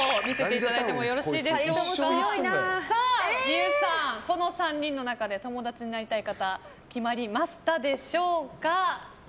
望結さん、この３人の中で友達になりたい方決まりましたでしょうか。